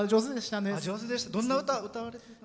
どんな歌を歌われた？